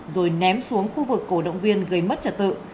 rồi ném xuống khu vực cổ động viên gây mất trật tự